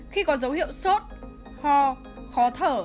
khi có dấu hiệu sốt ho khó thở